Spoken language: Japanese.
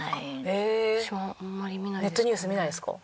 ネットニュース見ないですか？